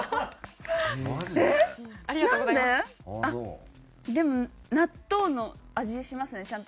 あっでも納豆の味しますね。